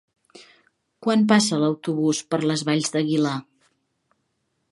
Quan passa l'autobús per les Valls d'Aguilar?